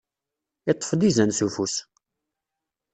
Iṭṭef-d izan s ufus!